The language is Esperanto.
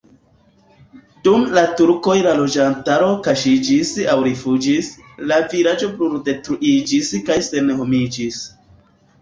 Dum la turkoj la loĝantaro kaŝiĝis aŭ rifuĝis, la vilaĝo bruldetruiĝis kaj senhomiĝis.